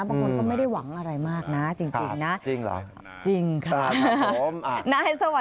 บางคนก็ไม่ได้หวังอะไรมากนะ